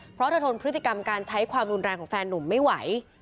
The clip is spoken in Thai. เพราะเธอทนพฤติกรรมการใช้ความรุนแรงของแฟนนุ่มไม่ไหว